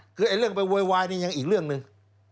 คือเรื่องไปโวยวายนี่ยังอีกเรื่องหนึ่ง